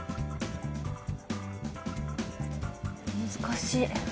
・難しい。